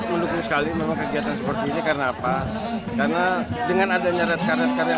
saya sangat menurut sekali memang kegiatan seperti ini karena apa karena dengan adanya red karet karena